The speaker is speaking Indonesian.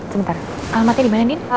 sebentar alamatnya dimana din